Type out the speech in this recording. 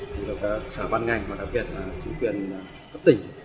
được xã văn ngành và đặc biệt chính quyền cấp tỉnh